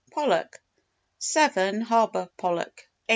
Pollock 7. Harbour Pollock 8.